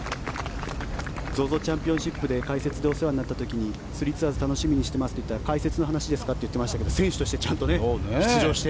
ＺＯＺＯチャンピオンシップで解説でお世話になった時に３ツアーズ楽しみにしていますと言ったら解説の話ですか？と言っていましたが選手としてちゃんと出場して。